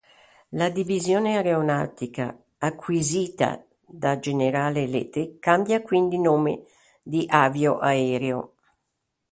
La divisione aeronautica acquisita da General Electric cambia quindi nome in Avio Aero.